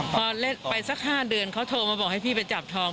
พอเล่นไปสัก๕เดือนเขาโทรมาบอกให้พี่ไปจับทอง